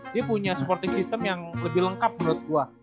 dia punya supporting system yang lebih lengkap menurut gue